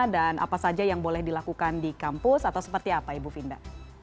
dan apa saja yang boleh dilakukan di kampus atau seperti apa ibu finda